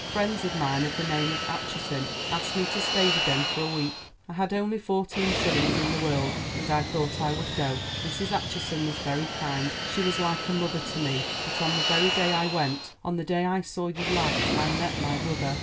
Friends of mine of the name of Acheson asked me to stay with them for a week. I had only fourteen shillings in the world, and I thought I would go. Mrs. Acheson was very kind—she was like a mother to me; but on the very day I went, on the day I saw you last, I met my brother.